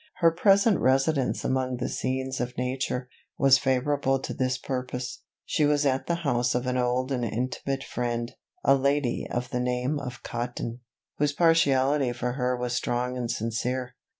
Her present residence among the scenes of nature, was favourable to this purpose. She was at the house of an old and intimate friend, a lady of the name of Cotton, whose partiality for her was strong and sincere.